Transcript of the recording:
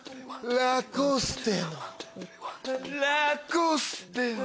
ラコステ。